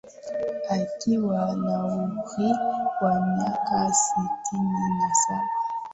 Akiwa na umri wamiaka sitini na saba